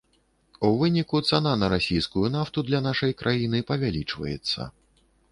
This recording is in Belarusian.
У выніку цана на расійскую нафту для нашай краіны павялічваецца.